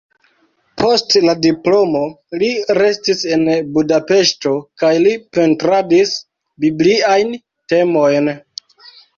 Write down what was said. Post la diplomo li restis en Budapeŝto kaj li pentradis bibliajn temojn.